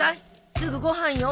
すぐご飯よ。